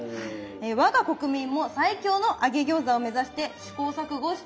我が国民も最強の揚げ餃子を目指して試行錯誤しています。